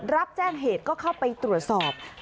รับแจ้งเหตุก็เข้าไปตรวจสอบ